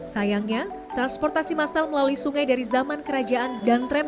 sayangnya transportasi masal melalui sungai dari zaman kerajaan dan tram